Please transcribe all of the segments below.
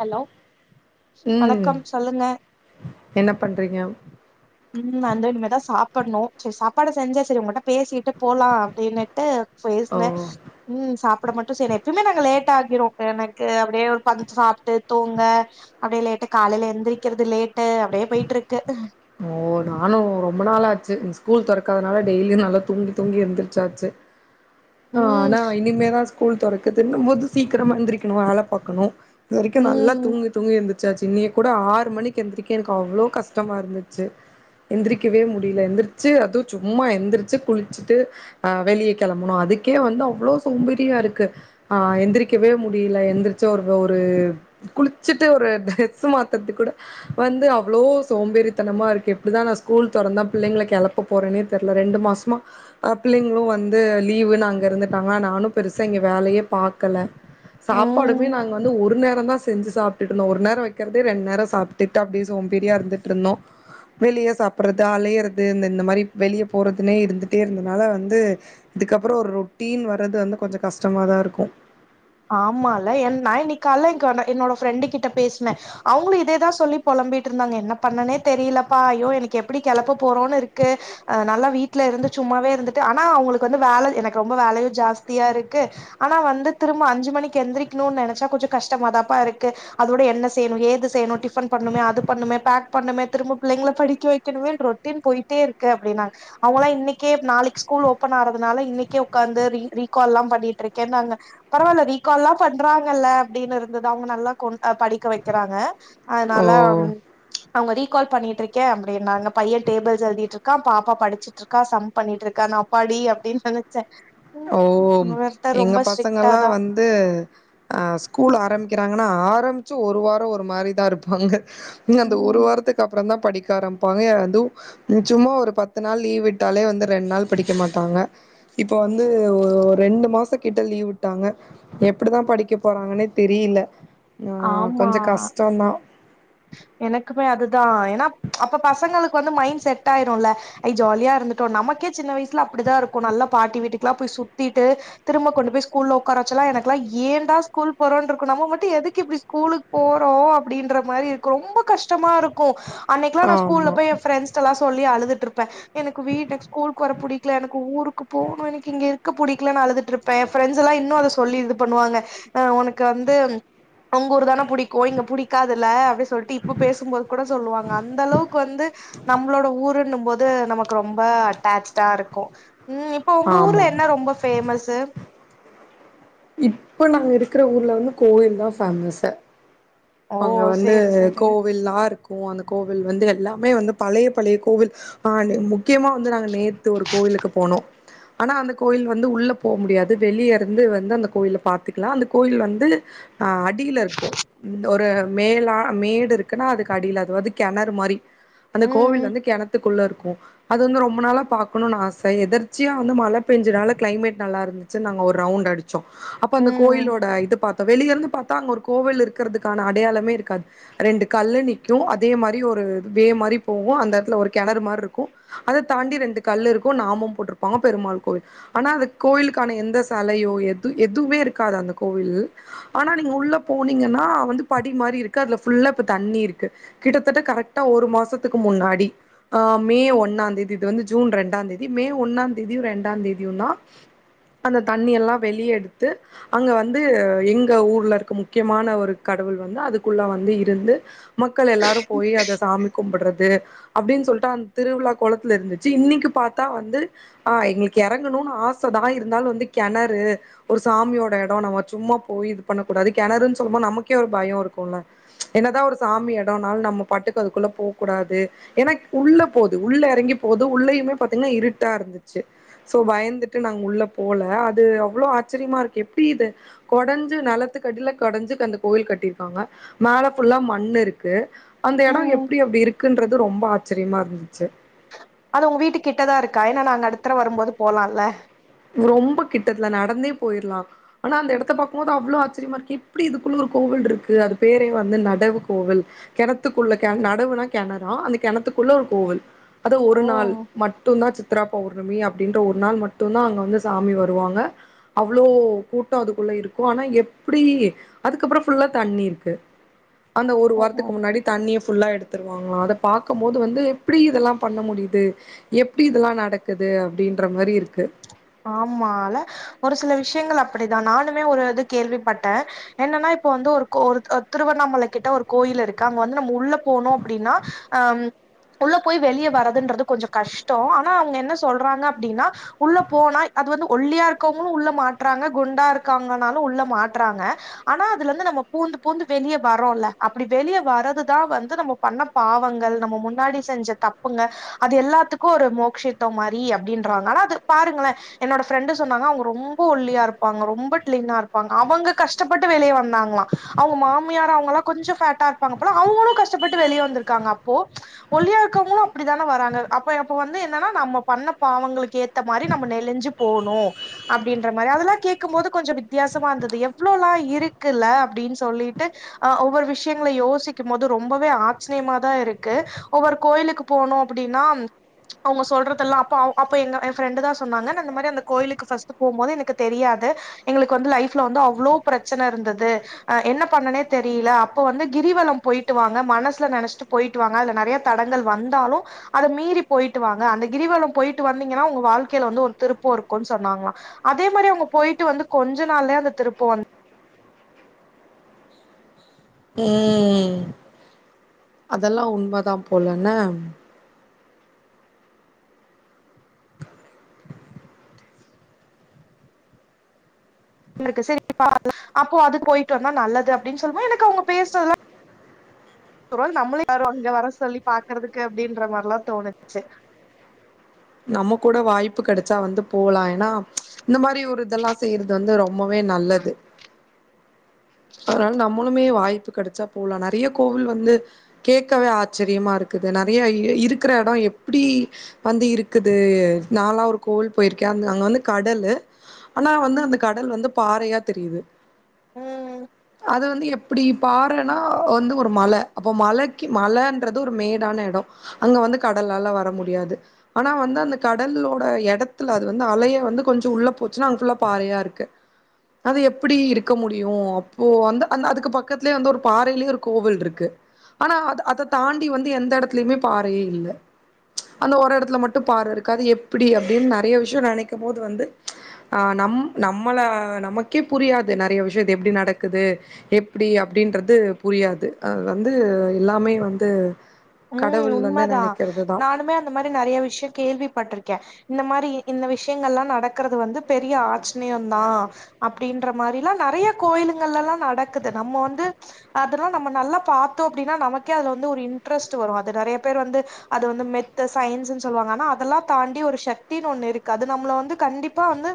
Hello ம் வணக்கம் சொல்லுங்க என்ன பண்றீங்க? ம் நா வந்து இனிமேதா சாப்பணு சரி சாப்பாடு செஞ்சேன் சரி ஒங்ககிட்ட பேசிட்டு போலா அப்படின்னுட்டு ஓ பேசினே ம் சாப் புட மட்டு செய்னெ எப்பயுமே நாங்க லேட் ஆகிடு எனக்கு அப்டியே ஒரு பதிஞ் சாப்ட்டு தூங்க அப்டியே லேட் காலையில எந்திரிக்கிறது லேட்டு அப்டியே போயிட்டு இருக்கு ஓ நானு ரொம்ப நாளாச்சு இந்த ஸ்கூல் தொறக்காதனால டெய்லியும் நல்லா தூங்கி தூங்கி எந்திருச்சாச்சு அ ம் ஆனா இனிமேதா ஸ்கூல் தொறக்குதுன்போது சீக்கிரமா எந்திரிக்கணு வேல பாக்கணும் இதுவரைக்கு நல்லா ம் தூங்கி தூங்கி எந்திருச்சாச்சு இன்னைக்கு கூட ஆறு மணிக்கு எந்திரிக்க எனக்கு அவ்ளோ கஷ்டமா இருந்து ச்சு எந்திரிக்கவே முடியல எந்திரிச்சு அதுவும் சும்மா எந்திரிச்சு குளிச்சுட்டு அ வெளிய கெளம்பணு அது இதுக்கே வந்து அவ்ளோ சோம்பேரியா இருக்கு ஆ எந்திரிக்கவே முடியல எந்திரிச்சா ஒரு ஒரு குளிச்சுட்டு ஒரு ட்ரெஸ் மாத்தறதுக்கு கூட வந்து அவ்வளோ சோம்பேறித் தனமா இருக்கு எப்படிதா நா ஸ்கூல் தொறந்தா பிள்ளைங்கள கெளப்ப போறேன்னே தெரியல ரெண்டு மாசமா பிள்ளைங்களும் வ வந்து லீவுன்னு அங்க இருந்துட்டாங்க நானும் பெருசா இங்க வேலையே பாக்கல ம் சாப்பாடுமே நாங்க வந்து ஒரு நேரந்தா செஞ்சு சாப்பிட்டு இருந்தோம் ஒரு நேரம் வைக்கிறது ரெண்டு நேரம் சாப்பிட்டு அப்டி வெறியா இருந்துட்டு இருந்தோம் வெளிய சாப்பிட்றது அலையறது இந்த இந்த மாரி வெளிய போறதுனே இருந்துட்டே இருந்தனால வந்து இதுக்க அப்புற ஒரு ரொட்டீன் வர்றது வந்து கொஞ்ச கஷ்டமாக தா இருக்கும் ஆமால என் நா இன்னைக்கு கால்ல என் என்னோட ஃப்ரண்டு கிட்ட பேசின அவங்களு இதேதா சொல்லி பொழம்பிட்டு இருந்தாங்க என்ன பண்ணனே தெரியலப்பா ஐயோ எனக்கு எப்டி கெளப்ப போறோன்னு இருக்கு நல்லா வீட்ல இருந்து சும்மாவே இருந்துட்டு ஆனா அவங்களுக்கு வந்து வேல எனக்கு ரொம்ப வேலயு ஜாஸ்தியா இருக்கு ஆனா வந்து திரும்ப அஞ்சு மணிக்கு எந்திரிக்கணும்னு நெனைச்சா கொஞ்ச கஷ்டமாதாம்பா இருக்கு அதோட என்ன செய்யணும் ஏது செய்யணும் டிபன் பண் ணுமே அது பண்ணுமே பேக் பண்ணுமே திரும்ப பிள்ளைங்கள படிக்க வைக்கணுமே ரொட்டின் போயிட்டே இருக்கு அப்படினாங்க அவங் கப்புற இன்னைக்கே நாளைக்கு ஸ்கூல் ஓப்பன் ஆறதுனால இன்னைக்கே உக்காந்து ரீ ரீக்கால்லா பண்ணிட்டு இருக்கேன்னாங்க பரவாயில்ல ரீகால் எல்லாம் பண்றாங்களா அப்படின்னு இருந்தது அவங்க நல்லா கொ படிக்க வக்கறாங்க அதுனால ஓ அவங்க ரீகால் பண்ணிகிட்டு இருக்கே அப்டின்னாங்க பைய டேபிள்ஸ் எழுதிட்டு இரு க்கா பாப்பா படிச்சிட்டு இருக்கா சம் பண்ணிட்டு இருக்கா அப்பாடி அப்டின்னு நெனைச்சே ஓ எங்க பசங்க எல்லா தா வந்து அஸஸ்கூல் ஆரம்பிக்கிறாங்க ன ஆரம்ச்சு ஒரு வாரோ ஒரு மாரி தா இருப்பாங்க அந்த ஒரு ம் வாரத்துக்கு அப்புறோ தா படிக் க ஆரம்பப்பாங்க அதும் சும்மா ஒரு பத்து நாள் லீவ் விட்டாலே வந்து ரெண்டு நாள் படிக்க மாட்டாங்க இப்ப வந் வந்து ரெண்டு மாச கிட்ட லீவ் விட்டாங்க எப்டிதா படிக்க போறாங்கனே தெரியல ஆ ஆமா கொஞ்சோ கஷ்டோதா எனக்குமே அதுதா ஏன்னா அப்ப பசங்களுக் கு வந்து மைண்ட் செட் ஆயிருல்ல ஐ ஜாலியா இருந்துட்டோ நமக்கே சின்ன வயசுல அப்டிதா இருக்கு நல்லா பாட்டி வீட்டுக்குலா போய் சுத்திட்டு திரும்ப கொண்டு போய் ஸ்கூல்ல உக்கார வெச்சால்லா எனக்கெலா ஏன்டா ஸ்கூல் போறோன்று இருக்கு நம்ம மட்டு எதுக்கு இப்ப ஸ்கூலுக்கு போறோ அப்டின்ற மாரி இருக் கு ரொம்ப கஷ்டமா இருக்கு அன்னைக்குலா நா ஸ்கூல்ல ஆமா போய் எ ஃபிரண்ட்ஸ்டல்லா சொல்லி அழு துட்டுருப்பே எனக்கு வீட்டு ஸ்கூல்க்கு வர புடிக்கல எனக்கு ஊருக்கு போனு எனக்கு இங்க இருக்க புடிக்கலனு அழுது ட்ருப்பே எ ஃபிரரெண்ட்ஸ் எல்லா இன்னு அத சொல்லி இது பண்ணுவாங்க அ உனக் கு வந்து ஒங்க ஊர் தானே புடிக்கு இங்க புடிக்காதுல்ல அப்டி சொ டி இப்ப பேசும்போது கூட சொல்லுவாங்க அந்த அளவுக்கு வந்து நம்மளோட ஊரு ன்னு போது நமக்கு ரொம்ப அட்டாச்டா இருக்கு ம் இப்ப ஒங்க ஊர்ல ஆமா என்ன ரொம்ப ஃபேமஸு இப்ப நாங்க இருக்கிற ஊர்ல வந்து கோயில் தா ஃபேமஸே ஓ அங்க வந்து சேரி சேரி கோவில்லாருக்கு அந்த கோவில் வந்து எல்லாமே வந்து பழய பழய கோவில் ஹ முக்கியமா வந்து நாங்க நேத்து ஒரு கோயிலுக்கு போனோ னோ ஆனா அந்த கோயில் வந்து உள்ள போ முடியாது வெளியே இருந்து வந்து அந்த கோயில பாத்துக்கலா அந்த கோயில் வந்து ஆ அட் டியில இருக்கு ஒரு மேலா மேடு இருக்குன்னா அதுக்கு அடியில அதவந்து கெணறு மாரி அந்த கோவில் ம் வந்து கெணத்துக்குள்ள இருக் கு அது வந்து ரொம்ப நாளா பாக்கணுனு ஆச எதர்ச்சியா வந்து மழ பேஞ்சனால கிளைமேட் நல்லா இருந்துச்சு நாங் ஒரு ரவுண்ட் அடிச்சோ அப்ப அந்த ம் கோயிலோட இத பாத்தோ வெளிய இருந்து பாத்தா அங்க ஒரு கோவில் இருக் க்கறதுக்கான அடையாளமே இருக்காது ரெண்டு கல்லு நிக்கு அதே மாரி ஒரு வே மாரி போகு அந்த எடத்துல ஒரு கெணறு மாரி இருக்கு அத தாண்டி ரெண்டு கல்லு இருக்கு நாமம் போட்டிருப்பாங்க பெருமாள் கோவில் ஆனா அது கோ கோவில்க்கான எந்த செலையோ எது எதுவுமே இருக்காது அந்த கோவில் ஆனா நீங்க உள்ள போனி கன்னா வந்து படி மாரி இருக்கு அதுல ஃபுல்லா இப்ப தண்ணி இருக்கு கிட்டத்தட்ட கரெக்டா ஒரு மாசத்துக்கு முன்னா னாடி அ மே ஒன்னா தேதி இது வந்து ஜூன் ரெண்டா தேதி மே ஒன்னா தேதியு ரெண்டா தேதியுந்தா அந்த தண்ணி எல்லா வெளிய எடுத்து அங்க வந்து எங்க ஊர்ல இருக்க மு முக்கியமான ஒரு கடவுள் வந்து அதுக்குள்ள வந்து இருந்து மக்கள் எல்லாரு போய் அத சாமி கும்பிடறது அப்டின்னு சொல்ட்டு அந்த திருவிழா கொளத்துல இருந்துச்சு இன்னிக்கி பாத்தா வந்து அ எங்களுக்கு எறங்கணு ஆசதா இருந்தாலு வந்து கெணறு ஒரு சாமியோட எடோ நம்ம சும்மா போய் இது பண்ணகூடாது கெணறுன்ன சொல்லு போது நமக்கே ஒரு பயோ இருக்குல்ல என்னதா ஒரு சாமி எடோனாலு நம்ம பாட்டுக்கு அதுக்குள்ள போ கூடா னது ஏன்னா உள்ள போது உள்ள எறங்கி போது உள்ளயுமே பாத்தீங்கன்னா இருட்டா இருந்துச்சு சோ பயந்துட்டு நாங்க உள்ள போல அது அவ்ளோ ஆச்சரியமா இருக்கு எப்டி இத கொடஞ்சு நெலத் த்துகடையில கொடஞ்சு அந்த கோயில் கட்டிருக்காங்க மேல ஃபுல்லா மண்ணிருக்கு அந்த எடோ ம் எப்டி அப்டி இருக்குன்றது ரொம்ப ஆச்சரியமா இருந்துச்சு அது உங்க வீட்டு கிட்டதா இருக்கா ஏன்னா நாங்க அடுத்த தடவ வரும்போது போலால்ல ரொம்ப கிட்டத்ல நடந்தே போயிடலா ஆனா அந்த எடத்த பக்கும்போது அவ்ளோ ஆச்சரியமா இருக்கு எப்டி இதுக்குள்ள ஒரு கோவில் இருக்கு அது பேரே வந்து நடவு கோவில் கெணத்துக்குள்ள கெண நடவுனா கெணறா அந்த கெணத் துகுள்ள ஒரு கோவில் அது ஒரு ஓ நாள் மட்டு தா சித்ரா பௌர்ணமி அப்டின்ற ஒரு நாள் மட்டு தா அங் அப்போ வந்து சாமி வருவாங்க அவ்ளோ கூட்டோ அதுக்குள்ள இருக்கு ஆனா எப்டி அதுக்கப்றோ அப்றோ ஃபுல்லா தண்ணி இருக்கு அந்த ஒரு ஓஹோ வாரத்துக்கு முன்னாடி தண்ணிய ஃபுல் ஃபுல்லா எடுத்துருவாங்களா அத பாக்கு போது வந்து எப்டி இதெல்லா பண்ண முடியுது எப்டி இதெல்லா நடக்குது அப்டின்ற மாரி இருக்கு ஆமா ல ஒரு சில விஷயங்கள் அப்டித்தா நானுமே ஒரு இது கேள்விப்பட்டே‌ என்னன்னா இப்போ வந்து ஒரு கோ ஒரு திருவண்ணாமலை கிட்ட ஒரு கோயில் இருக்கு அங்க வந்து நம்ம உள்ள போனு அப்டின்னா அ உள்ள போய் வெளிய வரறதுன்றது கொஞ்சோ கஷ்டோ ஆனா அவங்க என்ன சொல்றாங்க அப்டின்னா உள்ள போனா அது வந்து ஒல்லியா இருக்கங்களு‌ உள்ள மாட்றாங்க குண்டா இருக்காங்கனாலு உள்ள மாட்றாங்க ஆனா அதுல இருந்து நம்ம பூந்து பூந்து வெளிய‌ வறோல்ல அப்டி வெளிய வரதுதா வந்து நம்ம பண்ண பாவங்கள் நம்ம நம்ம முன்னாடி செஞ்ச தப்புங்க அது எல்லாத்துக்கு ஒரு மோக்சிதோ மாரி அப்டின்றாங்க ஆனா அது பாருங்களே என்னோட பிரெண்டு சொன்னாங்க அவங்க ரொம்ப ஒல்லியா இருப்பாங்க ரொம்ப லீனா இருப்பாங்க அவங்க கஷ்டப்பட்டு வெளிய வந்தாங்களா அவங்க மாமியார் அவங்கலா கொஞ்சோ ஃபேட்டா இருப்பாங்கள அவங்களு கஷ்டப்பட்டு வெளிய வந்திருக்காங்க அப்போ ஒல்லியா இக்கரவங்களு அப்டித்தானே வராங்க அப்ப வந்து என்னன்னா நம்ம பண்ண பாவங்களுக்கு ஏ ஏத்த மாரி நம்ம நெலிஞ்சு போனு அப்டின்ற மாரி அதெல்லா கேட்கும் போது கொஞ்சோ வித்தியாசமா இருந்தது எவ்ளோளா இருக்குல்ல அப்டின்னு சொல்லிட்டு அ ஒவ்வொரு விஷயங்கள யோசிக்கும் போது ரொம்பவே ஆச்சிரியமா தா இருக்கு ஒவ்வொரு கோயிலுக்கு போனோ அப்டின்னா அவங்க சொல்றதெல்லா அப்ப அப்ப எங்க ஃப்ரெண்டு தா சொன்னாங்க அந்த மாரி அந்த கோயிலுக்கு போகும்போது எனக்கு தெரியாது எங்களுக்கு வந்து லைப்ல வந்து அவ்ளோ பிரச் பிரச்சன இருந்தது என்ன பண்ணனே தெரியல அப்ப வந்து கிரிவல போயிட்டு வாங்க மனசு நெனச்சிட்டு போய போயிட்டு வாங்க அதுல நெறைய தடங்கள் வந்தாலு அத மீறி போயிட்டு வாங்க அந்த கிரிவல போயிட்டு வந்தீங்கன்னா உங்க வாழ்க்கையில வந்து ஒரு திருப்போ இருக்குன்னு சொன்னாங்ளா அதே மாரி அவங்க போயிட்டு வந்து கொஞ்ச நாள்லே அந்த திருப்போ வந்து ம் அதெல்லா உண்ம தா போல என்ன [unintelligible] அப்போ அது போயிட்டு வந்தா நல்லது அப்டின்னு சொல்லுவோ எனக்கு அவங்க பேசுறதுலா ஒரு வேல நம்மளையு யாரோ அங்க வர சொல்லி பாக்குறதுக்கு அப்டின்ற மாரிலா தோணுச்சு நம்ம கூட வாய்ப்பு கெடச்சா வந்து போலா ஏன்னா இந்த மாரி ஒரு இதெல்லா செய்யறது வந்து ரொம்பவே நல்லது அதனால நம்மளுமே வாய்ப்பு கெடச்சா போலா நெறைய கோவில் வந்து கேட்கவே ஆச்சரியமா இருக்குது நெறைய இருக்கிற எடோ எப்பிடி வந்து இருக் க்குது நாள்லா ஒரு கோவில் போயிருக்கே அ அங்க வந்து கடலு ஆனா வந்து அந்த கடல் வந்து பாறையா தெரியுது ம் அது வந்து எப் இப்பிடி பாறனா வந்து ஒரு மல அப்ப மலக்கி மலன்றது ஒரு மேடான எடோ அங்க வந்து கடலாலா வர முடியாது ஆனா வந்து அந்த கடல்லோட எடத்துல அது வந்து அலைய வந்து கொஞ்சோ உள்ள போச்சுனா அங் ஃபுல்லா பாறையாருக்கு. அது எப்பிடி இருக்க முடியு அப்போ வந்து அந்த அதுக்கு பக்கத்லே வந்து ஒரு பாறைலியே ஒரு கோவில்ருக்கு ஆனா அத அத தாண்டி வந்து எந்த எடத்லிமே பாறையே இல்ல அந்த ஒரு எட த்ல மட்டு பாற இருக்கு அது எப்பிடி அப்டின் நறைய விஷ்யோ நனைக்கும் போது வந்து அ நம் நம்மள அ நமக்கே புரியாது நறைய விஷ்யோ அது எப்டி நடக்குது எப்டி அப்டின்றது புரியாது. அது வந்து எல்லாமே வந்து ம் கடவுள் வந்து உண்மதா நெனைக்கிறது தா நானுமே அந்த மாரி நறைய வி ஷ்யோ கேள்விப்பட்ருக்கே இந்த மாரி இந்த விஷ்யங்கள்லா நடக்கறது வந்து பெரிய ஆச் சினியுந்தா அப்டின் ன்ற மாரில்லா நறைய கோயிலுங்களெல்லா நடக்குது நம்ம வந்து அதெல்லா நம்ம நல்லா பாத்தோ அப்டினா நமக்கே அதுல வந்து ஒரு இன் ட்ரெஸ்ட் வரு அது நறைய பேரு வந்து அத வந்து மெத்த சயின்ஸ்ன் சொல்லுவாங்க ஆனா அதெல்லா தாண்டி ஒரு ஷக்தின் ஒன்னு இருக்கு அது நம்மள வந்து கண்டிப்பா வந்து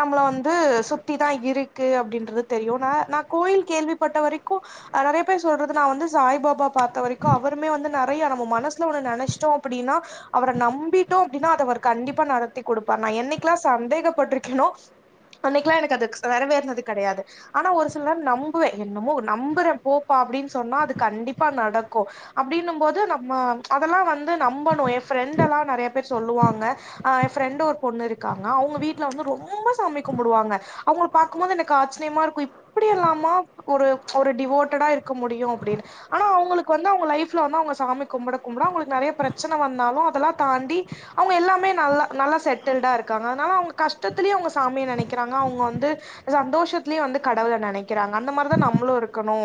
நம்மள வந்து சுத்திதா இருக்கு அப்டின்றது தெரியு வ நா கோயில் கேள்விப்பட்ட வரைக்கு அ நறைய பேர் சொல்றது நா வந்து சாய்பாபா பாத்த வரைக்கு அவ துமே வந்து நறைய நம்ம மனசுல ஒன்னு நெனைச்ட்டோ அப்டின்னா அவர நம்பிட்டோ அப்டினா அத அவர் கண்டிப்பா நட த்தி குடுப்பா நா என்னிக்லா சந்தேகப்பட்ருக்கேனோ அன்னிக்லா எனக்கு அதுக்ஸ் வரவேற்னது கெடையாது ஆனா ஒரு சில நேர நம்புவே என்னமோ ஒ நம்புறே போப்பா அப்டின் சொன்னா அது கண்டிப்பா நடக்கு அப்டின்னும் போது நம்ம அதல்லா வந்து நம்பணு எ ஃப்ரெண்டெல்லா நறையா பேரு சொல்லுவாங்க அ ஃபிரெண்டு ஒரு பொண்ணு இருக்காங்க அவுங்க வீட்ல வந்து ரொம்ப சாமி கும்புடுவாங்க அவுங்ள பாக்கும்போது எனக்கு ஆச்சினிமாரு க்கு இப்பிடி எல்லாமா ஒரு ஒரு டிவோட்டடா இருக்க முடியு அப்டினு ஆனா அவுங்களுக்கு வந்து அவுங்க லைஃப் ட்ல வந்து அவுங்க சாமி கும்பட கும்பட அவுங்களுக்கு நறைய பிரச்சன வந்தாலு அதல்லா தாண்டி அவுங்க எல்லாமே நல்லா நல் லா செட்டில்டா இருக்காங்க அதனால அவுங்க கஷ்டத்துலியு அவுங்க சாமிய நெனக்கிறாங்க அவுங்க வந்து சந்தோஷத்துலியு வந்து கடவுள நெனக்கிறாங்க அந்த மாரி தா நம்முளு இருக்கணு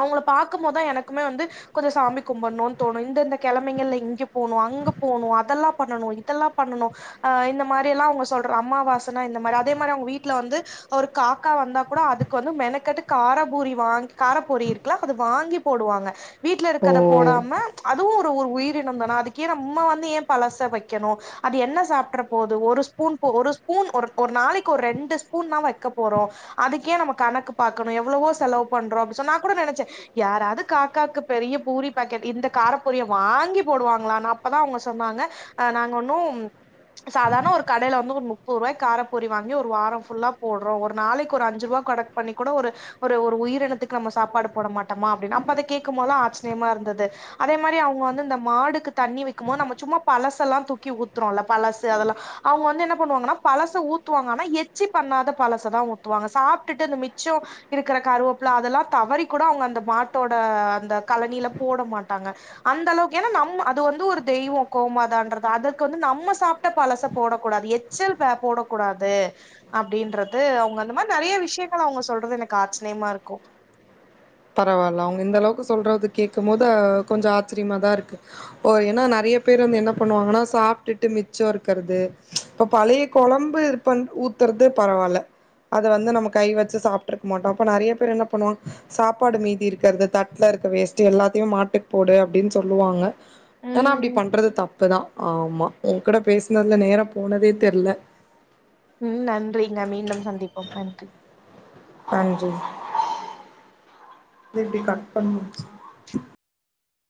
அவுங்கள பாக்கும்போதா எனக்குமே வந்து கொஞ்ச சாமி கும்பட்ணுன் தோணு இந்த இந்த கெழமைங்கள்ல இங்க போணு அங்க போணு அதல்லா பண்ணணு இதல்லா பண்ண னு அ இந்த மாரி எல்லா அவுங்க சொல்ற அம்மாவாசனா இந்த மாரி அதே மாரி அவுங்க வீட்ல வந்து ஒரு காக்கா வந் தா கூட அதுக்கு வந்து மெனக்கெட்டு காரபூரி வாங் காரபொரி இருக்குல அது வாங்கி போடுவாங்க வீட்ல ஓ இருக்கத போடாம அதுவு து ஒர் உயிரினந்தான அதுக்கு ஏ நம்ம வந்து ஏ பழச வெக்கணு அது என்ன சாப்ட்ற போது ஒரு ஸ்பூன் ஒரு ஸ்பூன் ஒர் ஒர் நாளைக்கு ஒர் ரெண்டு ஸ்பூன் தா வக்க போறோ அதுக்கு ஏ நம்ம கணக்கு பாக்கணு எவ்ள வோ செலவு பண்றோ அப்டி சொ நா கூட நெனச்சே யாராது காக்காக்கு பெரிய பூரி பாக்கெட் இந்த காரப்பூரிய வாங்கி போடுவாங்களான் அப்பதா அவுங்க சொன்னாங்க அ நாங்க ஒன்னு ம் சாதார்ண ஒரு கடையில வந்து ஒரு முப்புருவாய்க் காரப்பொரி வாங்கி ஒரு வாரோ ஃபுல்லா போட்றோ ஒரு நாளைக் ஒரு அஞ்சுருவா கணக் பண்ணி கூட ஒரு ஒரு ஒரு உயிரினத்துக்கு நம்ம சாப்பாடு போட மாட்டமா அப்டினு அப்ப அத கே க்கும் மோதுல்லா ஆச்சர்யமா இருந்துது அதே மாரி அவுங்க வந்து இந்த மாடுக்கு தண்ணி வெக்கும் மோது நம்ம சும்மா பழசெல்லா தூக்கி ஊத்துறோ இல்ல பழசு அதல்லா அவுங்க வந்து என்ன பண்ணுவாங்கனா பழச ஊத்துவாங்க ஆனா எச்சி பண்ணாத பழசதா ஊத்துவாங்க சாப்ட்டுட்டு அந்த மிச்சோ இருக்குற கருவேப்புல அதல்லா தவறி கூட அவுங்க அந்த மாட்டோட அந்த களனில போட மாட்டாங்க அந்தளவுக் ஏனா நம்ம அது வந்து ஒரு தெய்வோ கோமாதான்றது அதக் கு வந்து நம்ம சாப்ட்ட பழச போடக்கூடாது எச்சில் பே போடக்கூடாது அப்டின்றது அவுங்க அந்த மார் நறைய விஷ்யங்கள் அவுங்க சொல்றது எனக்கு ஆச்சினியமாருக்கு பரவால அவுங்க இந்த அளவுக்கு சொல்றது கேக்கமோது அ கொஞ்சோ ஆச்சிரிமாதா இருக்கு ஓ எனா நறை ய பேர் வந்து என்ன பண்ணுவாங்கனா சாப்ட்டுட்டு மிச்சோ இருக்கற்து இப்ப பழைய கொழம்பு இது பண் ஊ த்துறுது பரவால்ல அத வந்து நம்ம கை வெச்சு சாப்ட்ருக்க மாட்டோ அப்ப நறைய பேர் என்ன பண்ணுவாங் சாப்பாடு மீதி இருக்கற்து தட்ல இருக்க வேஸ்ட்டு எல்லாத்திமே மாட்டுக் போடு அப்டின் சொல்லுவாங்க ஏனா அப்டி ம் பண்றது தப்புதா ஆமா உங்கூட பேசுனதுல நேரம் போனதே தெர்ல ம் நன்றிங்க மீண்டும் சந்திப்போம் நன்றி அஞ்சி இத இப்டி கட் பண்ணு